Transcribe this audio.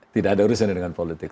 tidak ada urusannya dengan politik